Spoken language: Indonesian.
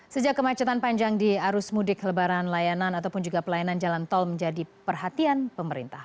sejak kemacetan panjang di arus mudik lebaran layanan ataupun juga pelayanan jalan tol menjadi perhatian pemerintah